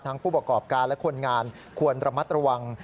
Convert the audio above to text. ผู้ประกอบการและคนงานควรระมัดระวัง